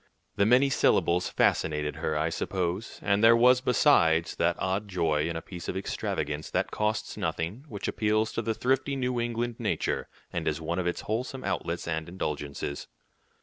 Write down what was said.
The many syllables fascinated her, I suppose, and there was, besides, that odd joy in a piece of extravagance that costs nothing, which appeals to the thrifty New England nature, and is one of its wholesome outlets and indulgences.